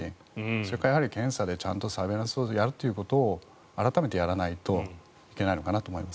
それから検査でサーベイランスをやるということを改めてやらないといけないと思います。